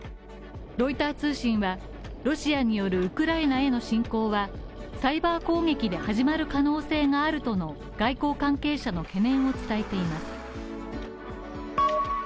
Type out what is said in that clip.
ロイター通信は、ロシアによるウクライナへの侵攻はサイバー攻撃で始まる可能性があるとの外交関係者の懸念を伝えています。